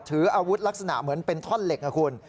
ถืออาวุธลักษณะเหมือนเป็นท่อนเหล็กนะคุณ